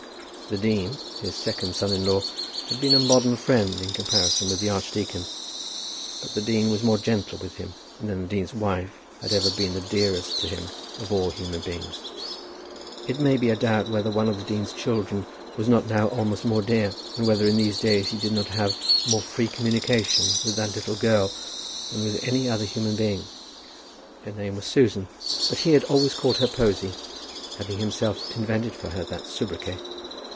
The dean, his second son in law, had been a modern friend in comparison with the archdeacon; but the dean was more gentle with him; and then the dean's wife had ever been the dearest to him of human beings. It may be a doubt whether one of the dean's children was not now almost more dear, and whether in these days he did not have more free communication with that little girl than with any other human being. Her name was Susan, but he had always called her Posy, having himself invented for her that soubriquet.